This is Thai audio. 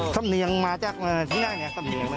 สำเนียงมาจากที่หน้านี้สำเนียงเลย